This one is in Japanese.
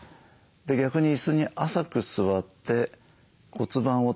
逆に椅子に浅く座って骨盤を立てる。